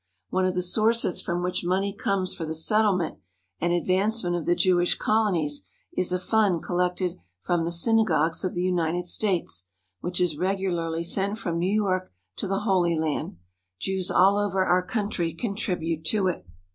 One of the sources from which money comes for the settlement and advancement of the Jewish colo nies is a fund collected from the synagogues of the United States, which is regularly sent from New York to the Holy Land. Jews all over our country contribute to it.